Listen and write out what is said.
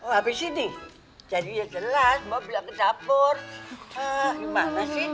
habis ini jadi ya jelas mbak bilang ke dapur